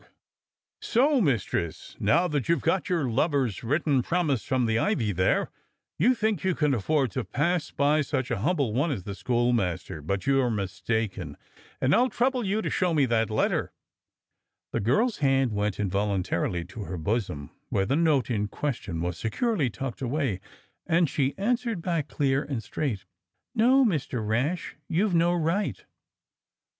112 THE SCHOOLMASTER'S SUIT 113 "So, Mistress, now that you have got your lover's written promise from the ivy there, you think you can afford to pass by such a humble one as the school master, but you're mistaken, and I'll trouble you to show me that letter," The girl's hand went involuntarily to her bosom, where the note in question was securely tucked away, and she answered back clear and straight: "No, Mister Rash, you've no right."